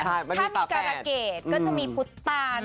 ถ้ามีการเกรดก็จะมีพุทธตาน